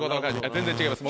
全然違います